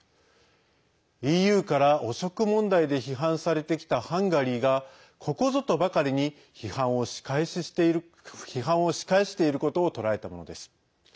ＥＵから汚職問題で批判されてきたハンガリーがここぞとばかりに批判を仕返していることを捉えたものです。